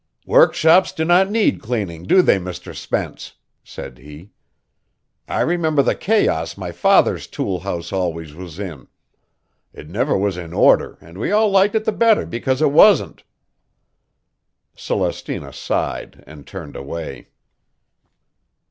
"Workshops do not need cleaning, do they, Mr. Spence?" said he. "I remember the chaos my father's tool house always was in; it never was in order and we all liked it the better because it wasn't." Celestina sighed and turned away.